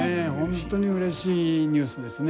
本当にうれしいニュースですね。